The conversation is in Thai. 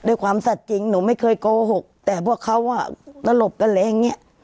ด้วยความสัจจริงหนูไม่เคยโกหกเต็มหมัดเขาอ่ะแล้วหลบกันเลยแหล่งเงี้ย